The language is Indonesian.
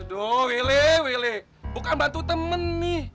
aduh wile wile bukan bantu temen nih